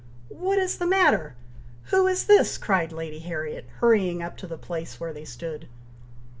"What is the matter! Who is this?" cried Lady Harriet, hurrying up to the place where they stood.